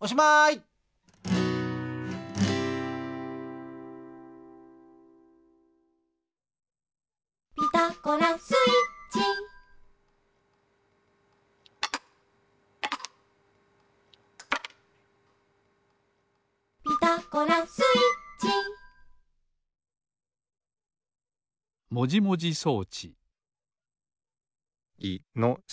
おしまい「ピタゴラスイッチ」「ピタゴラスイッチ」もじもじ装置いのし。